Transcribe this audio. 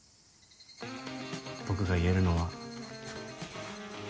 僕が言えるのは。